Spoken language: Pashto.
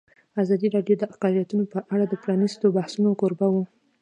ازادي راډیو د اقلیتونه په اړه د پرانیستو بحثونو کوربه وه.